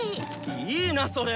いいなぁそれ！